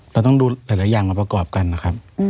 เราต้องดูหลายอย่างมาประกอบกันนะครับ